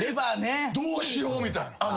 どうしようみたいな。